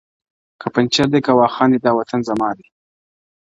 که پنجشېر دی- که واخان دی- وطن زما دی-